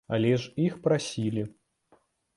Але ж іх прасілі.